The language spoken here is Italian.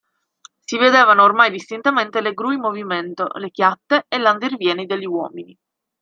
Si vedevano ormai distintamente le gru in movimento, le chiatte e l'andirivieni degli uomini.